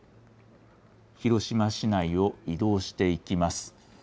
広島市内を移動していきます。